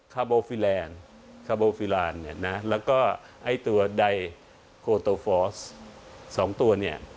คาร์โบฟิลานคาร์โบฟิลานแล้วก็ไอ้ตัวไดโคโตฟอส๒ตัว